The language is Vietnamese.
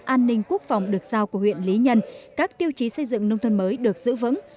an ninh quốc phòng được giao của huyện lý nhân các tiêu chí xây dựng nông thôn mới được giữ vững